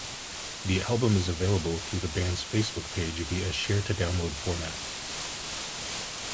The album is available through the band's Facebook page via a share-to-download format.